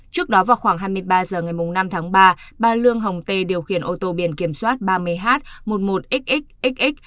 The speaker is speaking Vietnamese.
trước đó vào khoảng hai mươi ba h ngày năm tháng ba bà lương hồng tê điều khiển ô tô biển kiểm soát ba mươi h một mươi một xxx